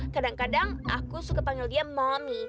kadang kadang aku suka panggil dia mommy